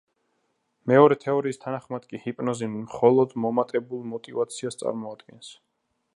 მეორე თეორიის თანახმად კი ჰიპნოზი მხოლოდ მომატებულ მოტივაციას წარმოადგენს.